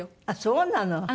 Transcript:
あっそうなの。